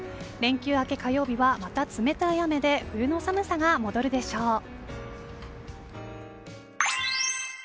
連休明け、火曜日はまた冷たい雨で冬の寒さが戻るでしょう。